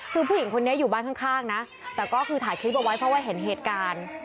คือผู้หญิงคนนี้อยู่บ้านข้างนะแต่ก็คือถ่ายคลิปเอาไว้เพราะว่าเห็นเหตุการณ์